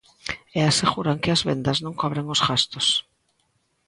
E aseguran que as vendas non cobren os gastos.